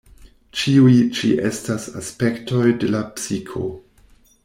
Ĉiuj ĉi estas aspektoj de la psiko.